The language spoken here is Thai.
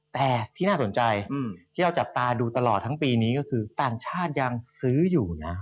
แต่ที่น่าสนใจที่เราจับตาดูตลอดทั้งปีนี้ก็คือต่างชาติยังซื้ออยู่นะ